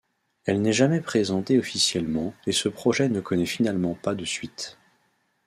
Elle n'est jamais présentée officiellement et ce projet ne connaît finalement pas de suite.